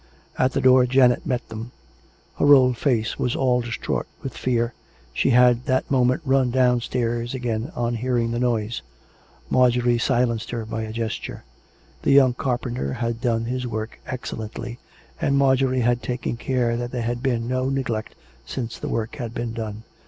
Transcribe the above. At the door Janet met them. Her old face was all dls 418 COME RACK! COME ROPE! traught with fear. She had that moment run downstairs again on hearing the noise. Marjorie silenced her by a gesture. ... The young carpenter had done his work excellently, and Marjorie had taken care that there had been no neglect since the work had been done.